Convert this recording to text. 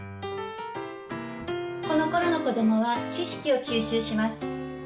このころの子どもは知識を吸収します。